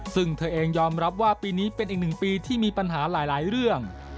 ซึ่งเธอเองยอมรับว่าปีนี้เป็นอีกหนึ่งปีที่มีปัญหาหลายเรื่อง